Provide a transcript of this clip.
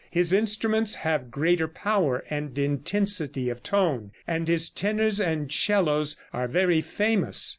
His instruments have greater power and intensity of tone, and his tenors and 'cellos are very famous.